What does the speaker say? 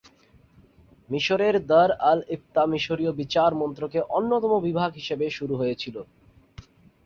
মিশরের দার আল-ইফতা মিশরীয় বিচার মন্ত্রকের অন্যতম বিভাগ হিসাবে শুরু হয়েছিল।